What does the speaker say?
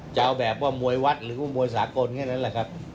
จะเอาแบบว่ามวยวัดหรือว่ามวยสากลแค่นั้นแหละครับ